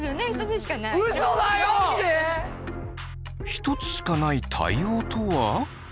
一つしかない対応とは？